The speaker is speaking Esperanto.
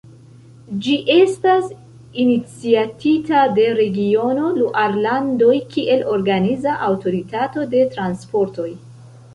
Ĝi estas iniciatita de regiono Luarlandoj kiel organiza aŭtoritato de transportoj.